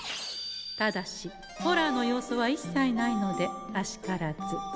ただしホラーの要素は一切ないのであしからず。